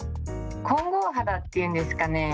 混合肌っていうんですかね